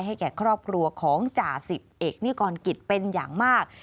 แก่ครอบครัวของจ่าสิบเอกนิกรกิจเป็นอย่างมาก